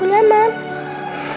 tunggu sampai aku nyaman